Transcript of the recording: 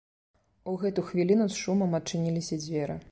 У гэту хвіліну з шумам адчыніліся дзверы.